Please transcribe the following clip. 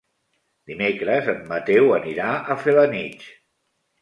Dimecres en Mateu anirà a Felanitx.